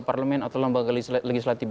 parlemen atau lembaga legislatif